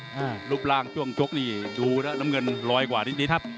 รูปร่างช่วงชกนี่ดูแล้วน้ำเงินลอยกว่านิดนิดครับ